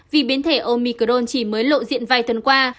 vì biến thể omicron chỉ mới lộ diện vài tuần qua